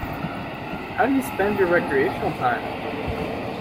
How do you spend your recreational time?